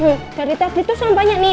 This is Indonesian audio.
bu dari tadi tuh sampahnya nih